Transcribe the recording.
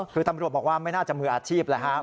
คือธรรมดาบอกว่าไม่น่าจะมืออาชีพเลยครับ